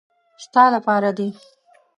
ستا له پاره دي .